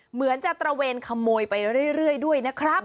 เหมือนจะตระเวนขโมยไปเรื่อยด้วยนะครับ